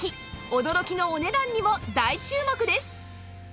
驚きのお値段にも大注目です